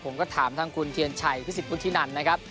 ผมก็ถามทางคุณเทียนชัยพิสิทธิวุฒินันนะครับ